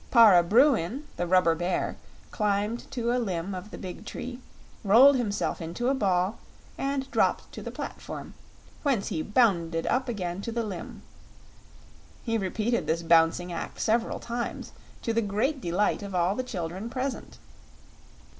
Para Bruin, the rubber bear, climbed to a limb of the big tree, rolled himself into a ball, and dropped to the platform, whence he bounded up again to the limb. He repeated this bouncing act several times, to the great delight of all the children present.